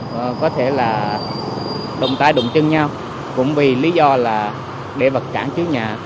và có thể là đồng tài đụng chân nhau cũng vì lý do là để vật chản trước nhà